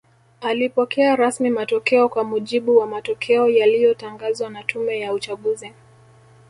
Alipokea rasmi matokeo Kwa mujibu wa matokeo yaliyotangazwa na tume ya uchaguzi